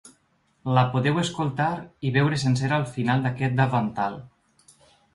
La podeu escoltar i veure sencera al final d’aquest davantal.